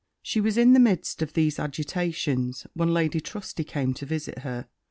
She was in the midst of these agitations, when Lady Trusty came to visit her.